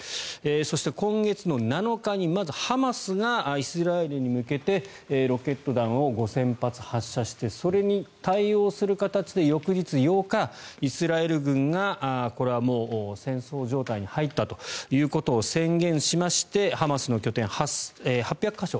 そして今月の７日にまずハマスがイスラエルに向けてロケット弾を５０００発発射してそれに対応する形で翌日８日、イスラエル軍がこれは戦争状態に入ったということを宣言しましてハマスの拠点８００か所